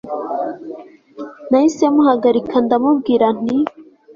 nahise muhagarika ndamubwira nti